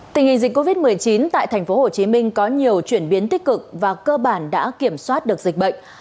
tình hình dịch covid một mươi chín tại tp hcm có nhiều chuyển biến tích cực và cơ bản đã kiểm soát được dịch bệnh